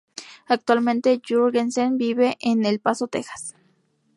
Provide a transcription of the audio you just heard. Actualmente Jourgensen vive en El Paso, Texas.